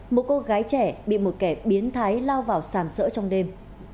một cô gái trẻ bị một kẻ biến thái lao vào sàm sỡ trong đêm